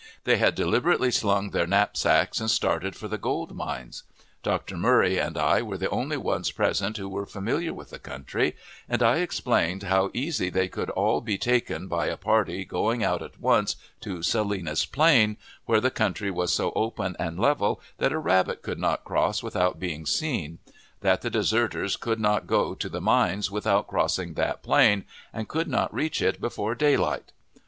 They had deliberately slung their knapsacks and started for the gold mines. Dr. Murray and I were the only ones present who were familiar with the country, and I explained how easy they could all be taken by a party going out at once to Salinas Plain, where the country was so open and level that a rabbit could not cross without being seen; that the deserters could not go to the mines without crossing that plain, and could not reach it before daylight.